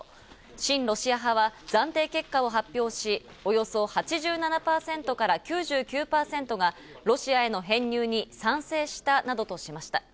親ロシア派は暫定結果を発表し、およそ８７％から９９％がロシアへの編入に賛成したなどとしました。